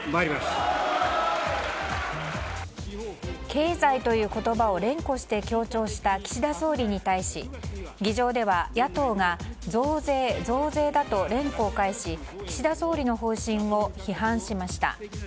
経済という言葉を連呼して強調した岸田総理に対し議場では、野党が増税、増税だと連呼を返し岸田総理の方針を批判しました。